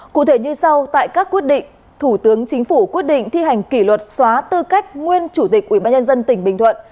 cụ thể như sau tại các quyết định thủ tướng chính phủ quyết định thi hành kỷ luật xóa tư cách nguyên chủ tịch ubnd tỉnh bình thuận